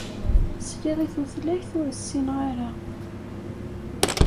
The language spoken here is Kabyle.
Sliɣ i tutlayt ur ssineɣ ara.